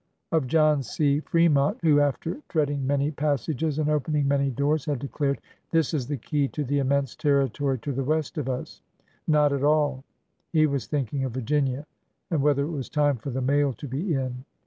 Of John C. Fremont, who, after treading many pas 350 ORDER NO. 11 sages and opening many doors, had declared : This is the key to the immense territory to the west of us ''? Not at all ! He was thinking of Virginia and whether it was time for the mail to be in.